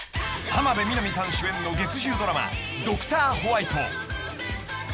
［浜辺美波さん主演の月１０ドラマ『ドクターホワイト』］